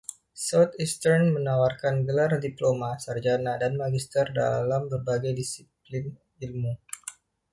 Southeastern menawarkan gelar diploma, sarjana, dan magister dalam berbagai disiplin ilmu.